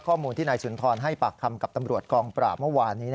ข้อมูลที่นายสุนทรให้ปากคำกับตำรวจกองปราบเมื่อวานนี้